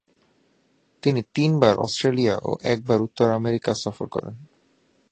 তিনি তিনবার অস্ট্রেলিয়া ও একবার উত্তর আমেরিকা সফর করেন।